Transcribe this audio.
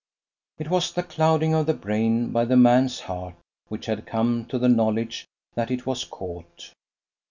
It was the clouding of the brain by the man's heart, which had come to the knowledge that it was caught.